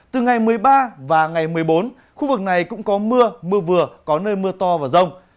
từ ngày một mươi ba và ngày một mươi bốn khu vực này cũng có mưa mưa vừa có nơi mưa to và rông